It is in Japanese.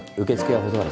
はい。